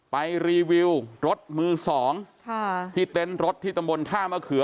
ไปรีวิวรถมือสองค่ะที่เต้นรถที่ตรงบนท่ามะเขือ